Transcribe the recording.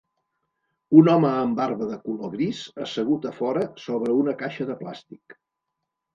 Un home amb barba de color gris assegut afora sobre una caixa de plàstic.